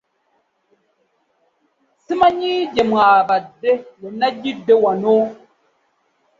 Ssimanyi gye mwabadde we najjidde wano.